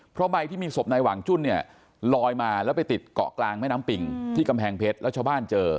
เพราะใบที่มีศพนายหวังจุ้นเนี่ยลอยมาแล้วไปติดเกาะกลางแม่น้ำปิ่งที่กำแพงเพชรแล้วชาวบ้านเจอ